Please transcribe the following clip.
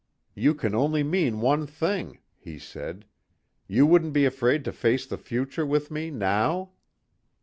"You can only mean one thing," he said. "You wouldn't be afraid to face the future with me now?"